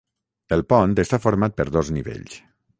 El pont està format per dos nivells.